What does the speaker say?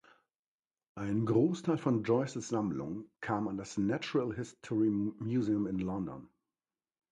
Ein Großteil von Joiceys Sammlung kam an das Natural History Museum in London.